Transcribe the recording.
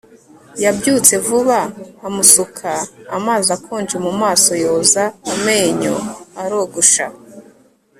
Yabyutse vuba amusuka amazi akonje mu maso yoza amenyo arogosha